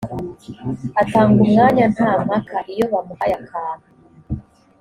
atanga umwanya nta mpaka iyo bamuhaye akantu